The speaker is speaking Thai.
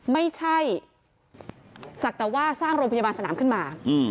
ไม่ใช่ศักดิ์แต่ว่าสร้างโรงพยาบาลสนามขึ้นมา